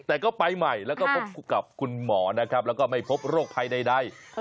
แต่ก็ไปใหม่แล้วก็พบกับคุณหมอนะครับแล้วก็ไม่พบโรคภัยใด